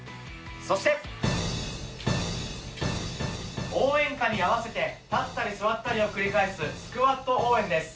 そして応援歌に合わせて立ったり座ったりを繰り返すスクワット応援です。